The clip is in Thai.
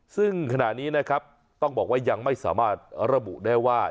ซึ่งขณะนี้นะครับต้องบอกว่ายังไม่สามารถระบุได้ว่า